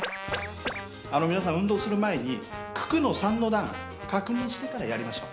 皆さん運動する前に九九の３の段確認してからやりましょう。